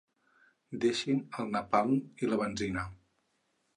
Deixin el napalm i la benzina.